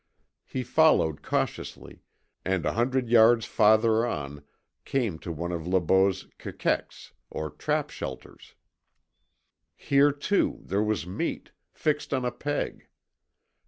He followed cautiously, and a hundred yards farther on came to one of Le Beau's KEKEKS or trap shelters. Here too, there was meat fixed on a peg.